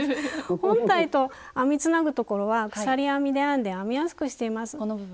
本体と編みつなぐところは鎖編みで編んで編みやすくしています。